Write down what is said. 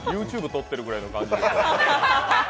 ＹｏｕＴｕｂｅ撮ってくるぐらいの感じ。